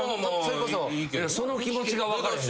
その気持ちが分からへん。